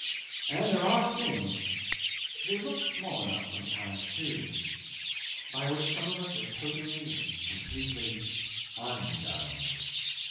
And there are things they look small enough sometimes too by which some of us are totally and completely undone.